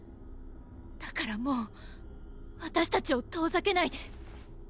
だからもう私たちを遠ざけないで。